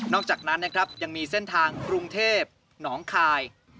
อกจากนั้นนะครับยังมีเส้นทางกรุงเทพหนองคาย